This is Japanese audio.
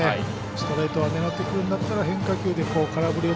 ストレートを狙ってくるんだったら変化球で空振りを。